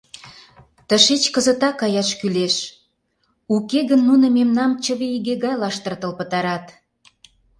Тышеч кызытак каяш кӱлеш, уке гын нуно мемнам чыве иге гай лаштыртыл пытарат.